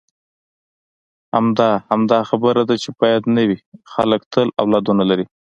همدا، همدا خبره ده چې باید نه وي، خلک تل اولادونه لري.